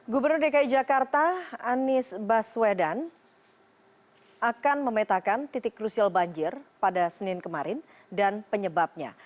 gubernur dki jakarta anies baswedan akan memetakan titik krusial banjir pada senin kemarin dan penyebabnya